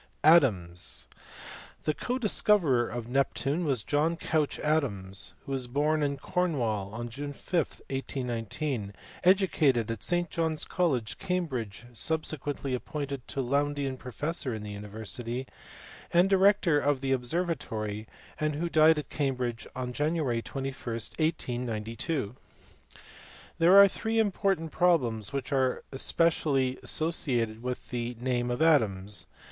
Adams*. The co discoverer of Neptune was John Couch Adams, who was born in Cornwall on June 5, 1819, educated at St. John s College, Cambridge, subsequently appointed Lowndean professor in the University, and director of the Observatory, and who died at Cambridge on Jan. 21, 1892. There are three important problems which are specially associated with the name of Adams.